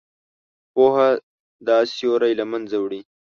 پوهه دا سیوری له منځه وړي.